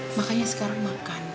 makanya sekarang makan